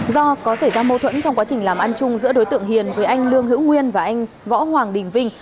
do có xảy ra mâu thuẫn trong quá trình làm ăn chung giữa đối tượng hiền với anh lương hữu nguyên và anh võ hoàng đình vinh